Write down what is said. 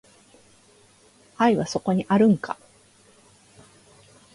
愛はそこにあるんか